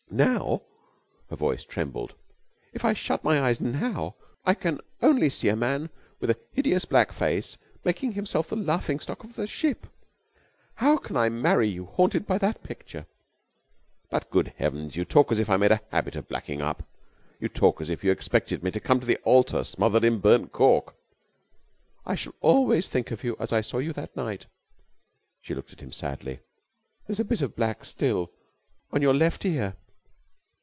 Now" her voice trembled "if I shut my eyes now, I can only see a man with a hideous black face making himself the laughing stock of the ship. How can I marry you, haunted by that picture?" "But, good heavens, you talk as if I made a habit of blacking up! You talk as if you expected me to come to the altar smothered in burnt cork." "I shall always think of you as I saw you to night." She looked at him sadly, "There's a bit of black still on your left ear."